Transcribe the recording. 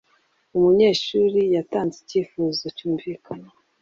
Umunyeshuri yatanze icyifuzo cyumvikana.